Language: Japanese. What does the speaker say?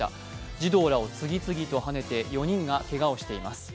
児童らを次々とはねて４人がけがをしています。